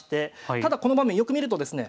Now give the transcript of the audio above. ただこの場面よく見るとですね